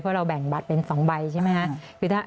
เพราะเราแบ่งบัตรเป็น๒ใบใช่ไหมคะ